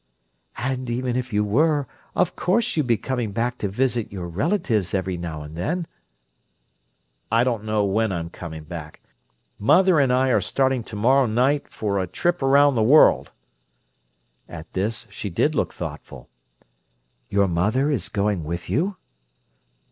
"And even if you were, of course you'd be coming back to visit your relatives every now and then." "I don't know when I'm coming back. Mother and I are starting to morrow night for a trip around the world." At this she did look thoughtful. "Your mother is going with you?"